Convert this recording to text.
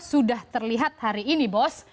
sudah terlihat hari ini bos